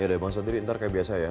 ya udah bang satiri ntar kayak biasa ya